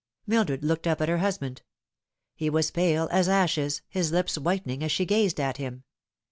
Mildred looked up at her husband. He was pale as ashes, hifl lips whitening as she gazed at him.